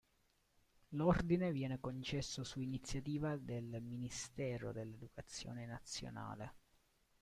L'ordine viene concesso su iniziativa del Ministero dell'educazione nazionale.